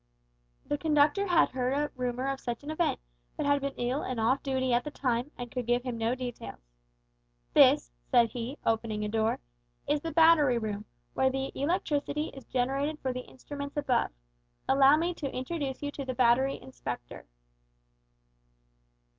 The conductor had heard a rumour of such an event, but had been ill and off duty at the time, and could give him no details. "This," said he, opening a door, "is the Battery Room, where the electricity is generated for the instruments above. Allow me to introduce you to the Battery Inspector."